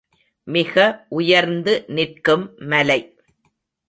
மிக உயர்ந்து நிற்கும் மலை.